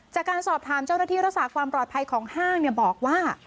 จากการสอบถามเจ้าหน้าที่รักษาความปลอดภัยของห้างบอกว่า